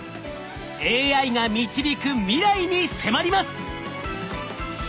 ＡＩが導く未来に迫ります！